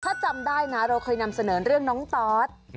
ถ้าจำได้นะเราเคยนำเสนอเรื่องน้องตอส